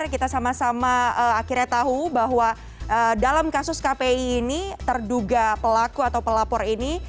kita sama sama akhirnya tahu bahwa dalam kasus kpi ini terduga pelaku atau pelapor ini